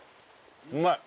うまい。